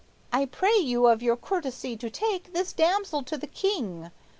I Pray you of your courtesy to take This damsel to the King.